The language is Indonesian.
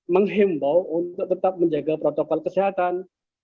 menghimbau untuk tetap menjaga protokol kesehatan